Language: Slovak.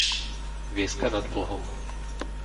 Vieska nad Blhom